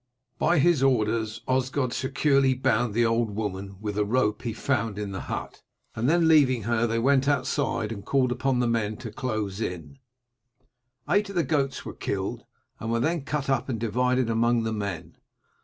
By his orders Osgod securely bound the old woman with a rope he found in the hut, and then leaving her they went outside and called upon the men to close in. Eight of the goats were killed, and were then cut up and divided among the men.